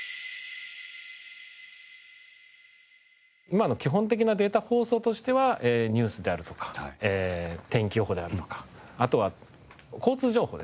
今の基本的なデータ放送としてはニュースであるとか天気予報であるとかあとは交通情報ですね